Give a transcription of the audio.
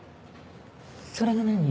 それが何？